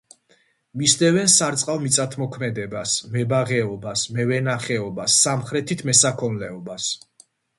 მისდევენ სარწყავ მიწათმოქმედებას, მებაღეობას, მევენახეობას, სამხრეთით მესაქონლეობას.